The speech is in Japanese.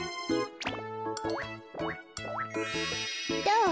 どう？